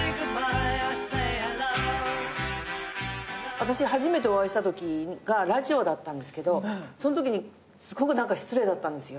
私初めてお会いしたときがラジオだったんですけどそのときにすごく失礼だったんですよ。